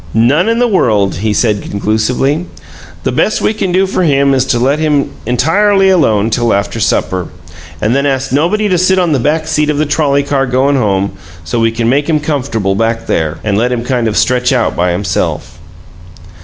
"None in the world!" he said, conclusively. "The best we can do for him is to let him entirely alone till after supper, and then ask nobody to sit on the back seat of the trolley car goin' home, so we can make him comfortable back there, and let him kind of stretch out by himself."